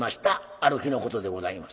ある日のことでございます。